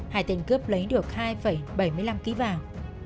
hai tên cướp lấy được hai bảy mươi năm kg vàng